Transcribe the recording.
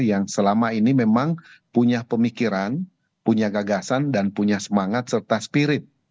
yang selama ini memang punya pemikiran punya gagasan dan punya semangat serta spirit